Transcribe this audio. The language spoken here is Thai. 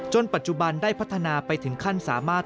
ปัจจุบันได้พัฒนาไปถึงขั้นสามารถ